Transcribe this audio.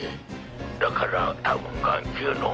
だから多分眼球の。